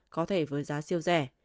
có thể với giá siêu rẻ